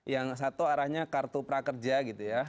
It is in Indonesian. yang satu arahnya kartu prakerja gitu ya